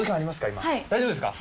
今大丈夫ですか？